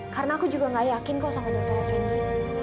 karena aku juga nggak yakin kok sama dokter effendi